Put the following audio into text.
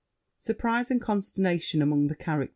[Surprise and consternation among the characters.